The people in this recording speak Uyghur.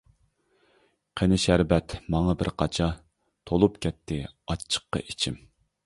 قىنى شەربەت ماڭا بىر قاچا، تولۇپ كەتتى ئاچچىققا ئىچىم.